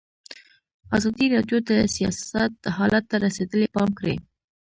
ازادي راډیو د سیاست حالت ته رسېدلي پام کړی.